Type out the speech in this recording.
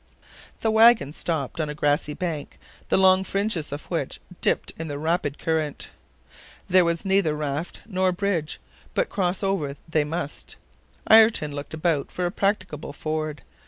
The wagon stopped on a grassy bank, the long fringes of which dipped in the rapid current. There was neither raft nor bridge, but cross over they must. Ayrton looked about for a practicable ford.